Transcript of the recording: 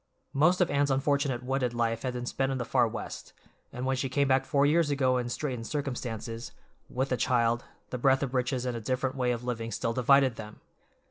Most of Anne's unfortunate wedded life had been spent in the far West, and when she came back four years ago in straitened circumstances, with the child, the breadth of riches and a different way of living still divided them.